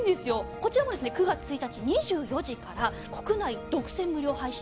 こちらもですね９月１日２４時から国内独占無料配信。